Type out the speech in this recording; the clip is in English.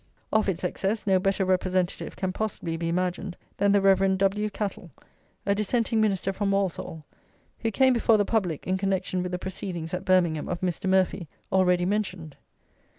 Of its excess no better representative can possibly be imagined than the Rev. W. Cattle, a Dissenting minister from Walsall, who came before the public in connection with the proceedings at Birmingham of Mr. Murphy, already mentioned.